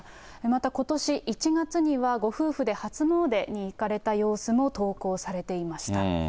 また、ことし１月には、ご夫婦で初詣に行かれた様子も投稿されていました。